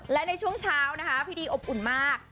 และในช่วงเช้านะคะพี่ดีอบอุ่นมาก